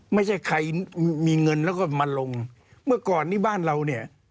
ไม่ใช่ใครมีเงินแล้วก็มาลงเมื่อก่อนนี้บ้านเราเนี่ย